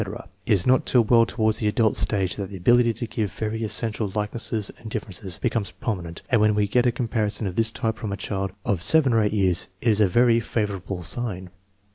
It is not till well toward the adult stage that the ability to give very essen tial likenesses and differences becomes prominent, and when we get a comparison of this type from a child of 7 or 8 years it is a very favorable sign.